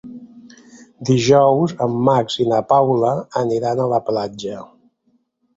Dijous en Max i na Paula aniran a la platja.